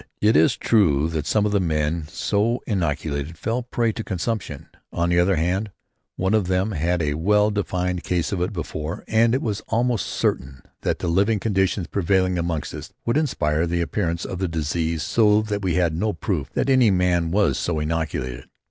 It is true that some of the men so inoculated fell prey to consumption. On the other hand one of them had had a well defined case of it before, and it was almost certain that the living conditions prevailing amongst us would insure the appearance of the disease so that we had no proof that any man was so inoculated.